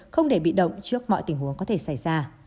không để bị động trước mọi tình huống có thể xảy ra